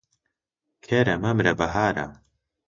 کەرە مەمرە بەهارە.